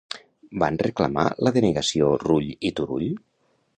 Van reclamar la denegació Rull i Turull?